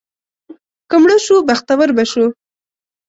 که مړه شو، بختور به شو.